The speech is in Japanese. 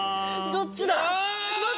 どっちだ？